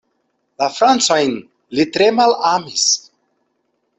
La francojn li tre malamis.